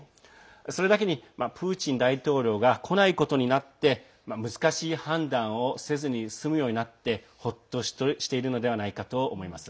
それだけに、プーチン大統領が来ないことになって難しい判断をせずに済むようになってほっとしているのではないかと思います。